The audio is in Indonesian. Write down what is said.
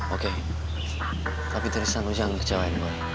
oke tapi dari sana jangan kecewain gue